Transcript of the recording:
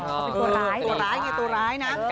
ตัวร้ายไงตัวร้ายนะ